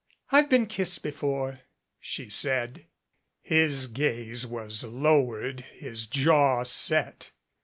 I've been kissed before," she said. His gaze was lowered, his jaw set.